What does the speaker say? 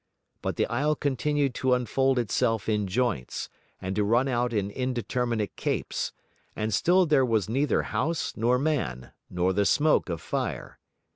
But the isle continued to unfold itself in joints, and to run out in indeterminate capes, and still there was neither house nor man, nor the smoke of fire.